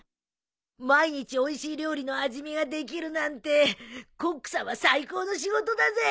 毎日おいしい料理の味見ができるなんてコックさんは最高の仕事だぜ！